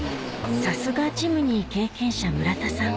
さすがジムニー経験者村田さん